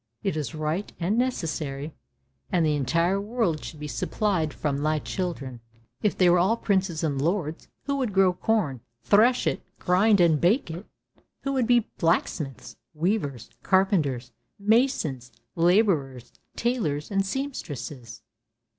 It is right and necessary that the entire world should be supplied from thy children; if they were all princes and lords, who would grow corn, thresh it, grind and bake it? Who would be blacksmiths, weavers, carpenters, masons, labourers, tailors and seamstresses?